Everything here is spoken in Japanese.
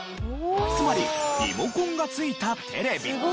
つまりリモコンが付いたテレビ。